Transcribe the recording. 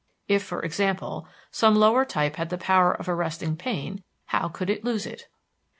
If, for example, some lower type had the power of arresting pain, how could it lose it?